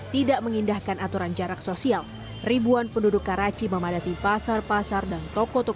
tidak mengindahkan aturan jarak sosial ribuan penduduk karaci memadati pasar pasar dan toko toko